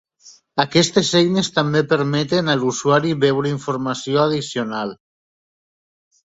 Aquestes eines també permeten a l'usuari veure informació addicional.